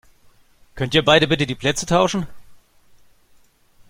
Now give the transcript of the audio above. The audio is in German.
Könnt ihr beide bitte die Plätze tauschen?